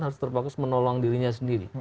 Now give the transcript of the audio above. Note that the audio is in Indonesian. harus terbakus menolong dirinya sendiri